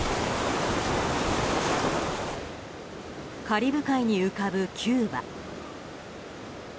カリブ海に浮かぶ、キューバ。